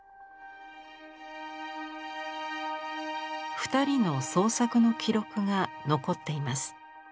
二人の創作の記録が残っています。